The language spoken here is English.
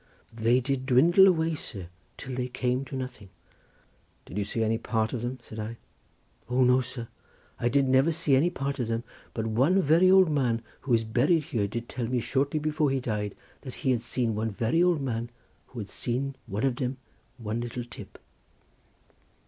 "They did dwindle away, sir, till they came to nothing." "Did you ever see any part of them?" said I. "O no, sir; I did never see any part of them, but one very old man who is buried here did tell me shortly before he died that he had seen one very old man who had seen of dem one little tip."